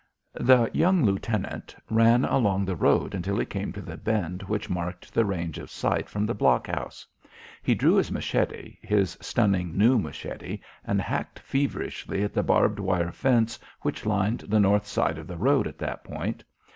The young lieutenant ran along the road until he came to the bend which marked the range of sight from the blockhouse. He drew his machete, his stunning new machete, and hacked feverishly at the barbed wire fence which lined the north side of the road at that point.